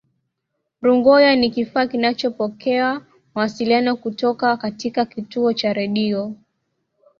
rungoya ni kifaa kinachopokea mawasiliano kutoka katika kituo cha redio